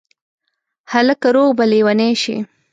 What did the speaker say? هلکه روغ به لېونی شې